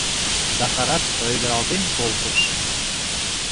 — Захарат ойгыралтен колтыш.